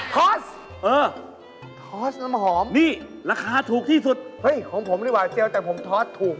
คอสเออคอร์สน้ำหอมนี่ราคาถูกที่สุดเฮ้ยของผมดีกว่าเจียวแต่ผมทอดถูก